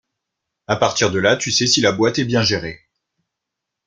à partir de là tu sais si la boîte est bien gérée.